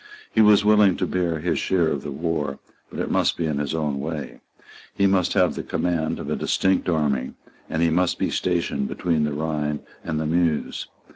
He was willing to bear his share of the war; but it must be in his own way; he must have the command of a distinct army; and he must be stationed between the Rhine and the Meuse.